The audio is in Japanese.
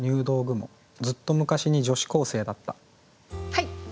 はい！